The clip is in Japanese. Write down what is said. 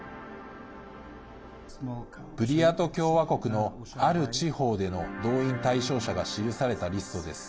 ブリヤート共和国のある地方での動員対象者が記されたリストです。